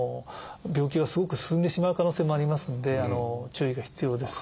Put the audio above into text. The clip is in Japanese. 病気がすごく進んでしまう可能性もありますので注意が必要です。